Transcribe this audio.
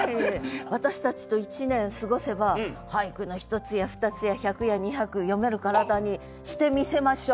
私たちと１年過ごせば俳句の一つや二つや百や二百詠める体にしてみせましょう。